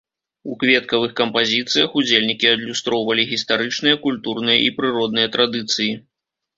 У кветкавых кампазіцыях ўдзельнікі адлюстроўвалі гістарычныя, культурныя і прыродныя традыцыі.